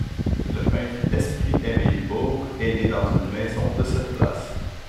Le peintre Esprit-Aimé Libour est né dans une maison de cette place.